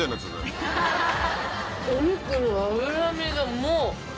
お肉の脂身がもう。